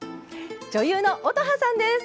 女優の乙葉さんです。